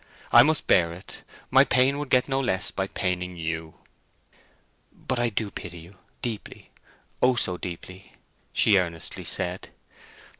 I must bear it; my pain would get no less by paining you." "But I do pity you—deeply—O, so deeply!" she earnestly said.